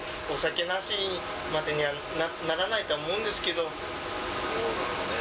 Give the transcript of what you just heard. お酒なしまでにはならないとは思うんですけど。